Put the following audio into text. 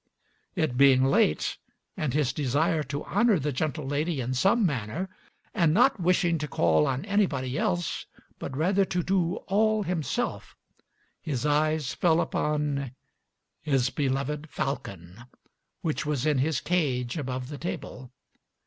It being late, and his desire to honor the gentle lady in some manner, and not wishing to call on anybody else, but rather to do all himself, his eyes fell upon his beloved falcon, which was in his cage above the table.